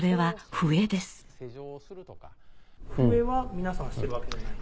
笛は皆さんしているわけじゃない？